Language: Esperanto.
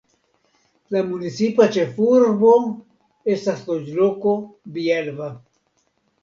La municipa ĉefurbo estas loĝloko Bielva.